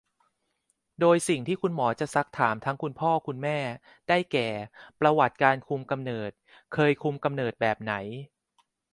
โดยสิ่งที่คุณหมอจะซักถามทั้งคุณพ่อคุณแม่ ได้แก่ ประวัติการคุมกำเนิด เคยคุมกำเนิดแบบไหน